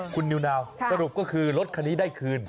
คุณนิวนาวสรุปก็คือรถคันนี้ได้คืน